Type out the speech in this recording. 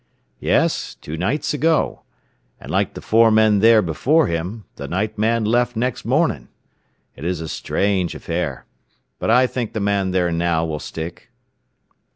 "Yes, two nights ago. And like the four men there before him, the night man left next morning. It is a strange affair. But I think the man there now will stick."